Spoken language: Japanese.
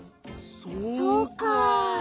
そうか。